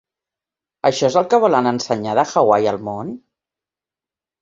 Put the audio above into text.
Això és el que volen ensenyar de Hawaii al món?